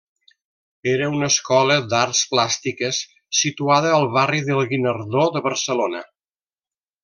Era una escola d'arts plàstiques situada al barri del Guinardó de Barcelona.